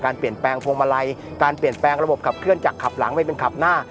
เปลี่ยนแปลงพวงมาลัยการเปลี่ยนแปลงระบบขับเคลื่อนจากขับหลังไปเป็นขับหน้า